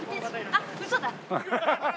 あっウソだ！